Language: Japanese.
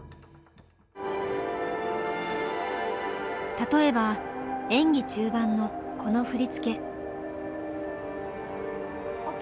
例えば演技中盤のこの振り付け。